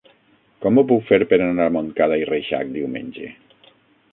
Com ho puc fer per anar a Montcada i Reixac diumenge?